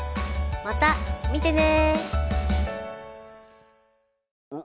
また見てね！